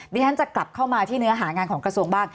ดิฉันจะกลับเข้ามาที่เนื้อหางานของกระทรวงบ้าง